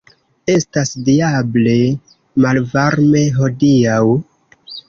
Estas diable malvarme hodiaŭ!